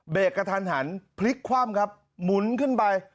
เบรกกับทันหันพลิกขว้ามหมุนขึ้นไป